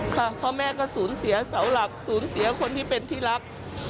ค่ะเพราะแม่ก็สูญเสียเสาหลักสูญเสียคนที่เป็นที่รัก